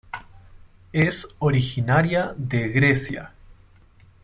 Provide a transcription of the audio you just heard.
Es originaria de Grecia.